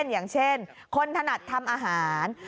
อย่างเช่นคนถนัดทำอาหาร